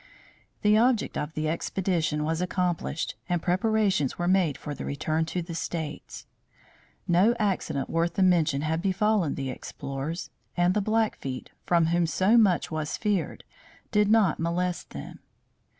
The object of the expedition was accomplished and preparations were made for the return to the states. No accident worth the mention had befallen the explorers, and the Blackfeet, from whom so much was feared, did not molest them.